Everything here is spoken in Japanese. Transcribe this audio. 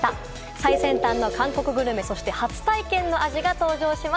最先端の韓国グルメ、そして初体験の味が登場します。